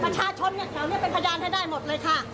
ประชาชนแถวนี้เป็นพยานให้ได้หมดเลยค่ะ